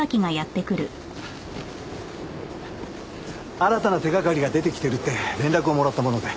新たな手がかりが出てきてるって連絡をもらったもので。